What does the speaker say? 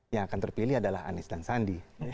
yang akan terpilih adalah anies dan sandi